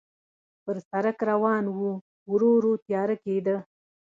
پر سړک روان شوو، ورو ورو تیاره کېده.